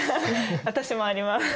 私もあります。